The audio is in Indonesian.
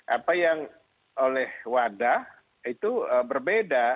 apa yang oleh wadah itu berbeda